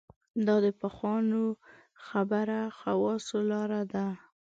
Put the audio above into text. دا د پخوانو خبره خواصو لاره ده.